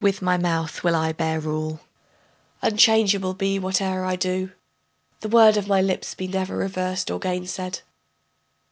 With my mouth will I bear rule, Unchangeable be whate'er I do, The word of my lips be never reversed or gainsaid.